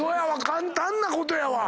簡単なことやわ。